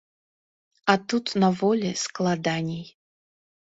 А тут, на волі, складаней.